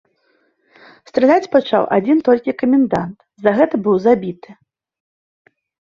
Страляць пачаў адзін толькі камендант, за гэта быў забіты.